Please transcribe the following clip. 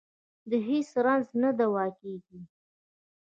د هېڅ رنځ نه دوا کېږي.